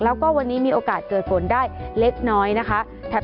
แล้วก็วันนี้มีโอกาสเกิดฝนได้เล็กน้อยนะคะ